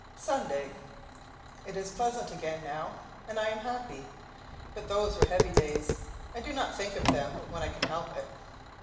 SUNDAY. It is pleasant again, now, and I am happy; but those were heavy days; I do not think of them when I can help it.